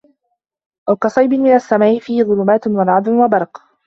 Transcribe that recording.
أَوْ كَصَيِّبٍ مِنَ السَّمَاءِ فِيهِ ظُلُمَاتٌ وَرَعْدٌ وَبَرْقٌ